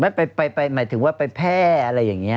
ไม่เป็นไปไปมาถึงว่าไปแพร่อะไรอย่างนี้